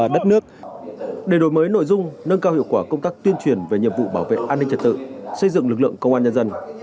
đổi mới nội dung nâng cao hiệu quả công tác tuyên truyền về nhiệm vụ bảo vệ an ninh trật tự xây dựng lực lượng công an nhân dân